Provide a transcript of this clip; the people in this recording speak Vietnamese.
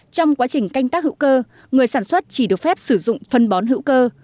trong quá trình canh tác hữu cơ người sản xuất chỉ được phép sử dụng phân bón hữu cơ